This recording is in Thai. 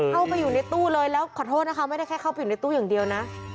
เข้าไปอยู่ในตู้เลยแล้วขอโทษนะคะไม่ได้แค่เข้าไปอยู่ในตู้อย่างเดียวนะ